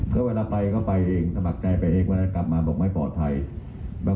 ก็กลับมาเขาก็ไม่ได้มีคดีอะไรกับผมไม่ใช่เหรอ